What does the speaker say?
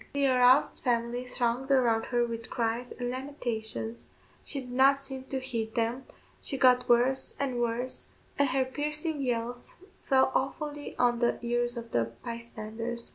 The aroused family thronged around her with cries and lamentations; she did not seem to heed them, she got worse and worse, and her piercing yells fell awfully on the ears of the bystanders.